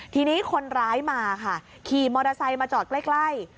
ทีนี้คนร้ายมาค่ะขี่มอเตอร์ไซค์มาจอดใกล้